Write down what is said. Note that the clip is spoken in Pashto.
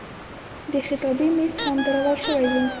د خطابې میز هم درول شوی و.